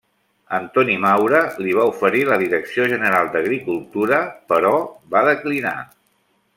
Antoni Maura li va oferir la direcció general d'agricultura, però va declinar.